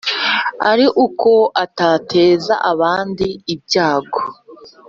ari uko adatateza abandi ibyago